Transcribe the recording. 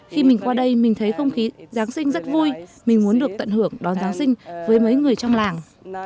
khi mình qua đây mình thấy không khí giáng sinh rất vui mình muốn được tận hưởng đón giáng sinh với mấy người trong làng